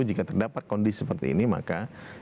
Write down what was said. jika terdapat kondisi seperti ini maka